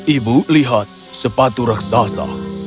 ibu lihat sepatu raksasa